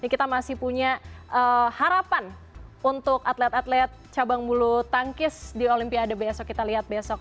kita masih punya harapan untuk atlet atlet cabang bulu tangkis di olimpiade besok kita lihat besok